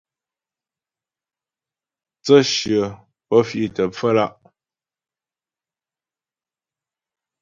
Mtsə̂shyə pə́ fì'tə pfə́lǎ'.